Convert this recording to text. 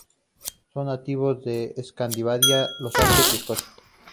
Son nativos de Escandinavia, los Alpes y Escocia.